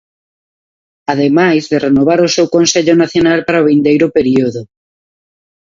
Ademais de renovar o seu Consello Nacional para o vindeiro período.